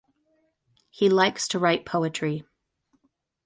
He likes to write poetry.